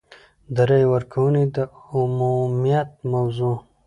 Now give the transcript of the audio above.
د رایې ورکونې د عمومیت موضوع.